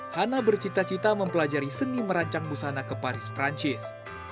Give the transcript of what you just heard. hana bercita cita mempelajari seni merancang busana ke paris perancis